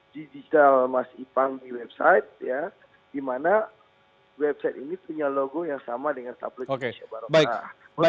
digital mas ipang di website di mana website ini punya logo yang sama dengan tabloid indonesia barokah